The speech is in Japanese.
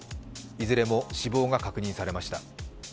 いずれも死亡が確認されました。